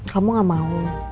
kamu gak mau